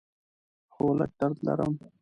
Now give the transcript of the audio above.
هو، لږ درد لرم